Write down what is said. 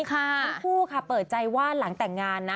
ทั้งคู่ค่ะเปิดใจว่าหลังแต่งงานนะ